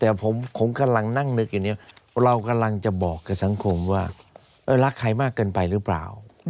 แต่ผมกำลังนั่งนึกอยู่เนี่ยเรากำลังจะบอกกับสังคมว่ารักใครมากเกินไปหรือเปล่า